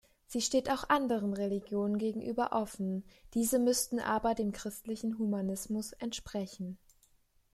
Sie steht auch anderen Religionen gegenüber offen, diese müssten aber dem christlichen Humanismus entsprechen.